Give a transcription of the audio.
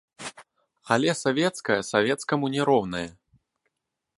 Але савецкае савецкаму не роўнае.